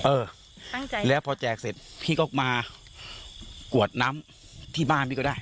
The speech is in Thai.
เออตั้งใจแล้วพอแจกเสร็จพี่ก็มากวดน้ำที่บ้านพี่ก็ได้